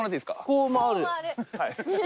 こう回る。